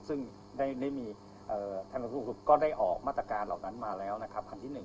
ซึ่งได้มีกระทรวงศาสตร์สุขก็ได้ออกมาตรการเหล่านั้นมาแล้วนะครับ